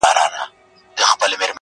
اچيل یې ژاړي، مړ یې پېزوان دی.